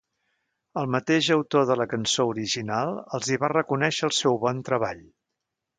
El mateix autor de la cançó original els hi va reconèixer el seu bon treball.